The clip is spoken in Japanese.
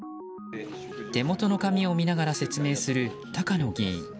手元の紙を見ながら説明する高野議員。